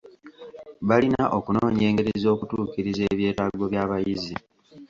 Balina okunoonya engeri z'okutuukiriza ebyetaago by'abayizi.